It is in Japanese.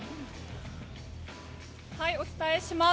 お伝えします。